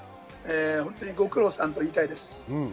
本当にご苦労さんと言いたいです。